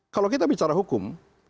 kalau kita bicara hukum